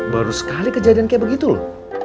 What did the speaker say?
baru sekali kejadian kayak begitu loh